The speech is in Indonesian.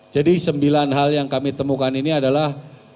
jadi sembilan hal yang kami temukan ini adalah